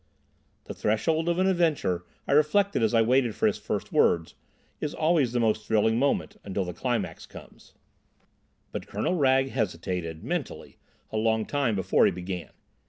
The threshold of an adventure, I reflected as I waited for the first words, is always the most thrilling moment—until the climax comes. But Colonel Wragge hesitated—mentally—a long time before he began.